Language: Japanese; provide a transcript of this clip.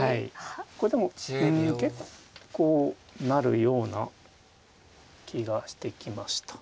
これでも結構なるような気がしてきました。